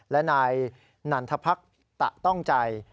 และนายนันทพรรคตะต้องใจ